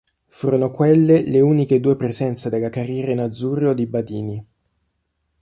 Furono quelle le uniche due presenze della carriera in azzurro di Badini.